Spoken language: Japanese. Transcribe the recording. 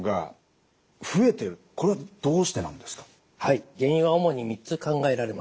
原因は主に３つ考えられます。